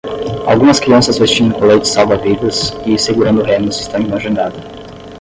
Algumas crianças vestindo coletes salva-vidas e segurando remos estão em uma jangada